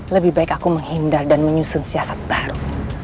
lebih baik aku menghindar dan menyusun siasat baru